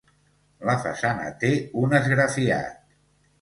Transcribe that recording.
La façana té un esgrafiat.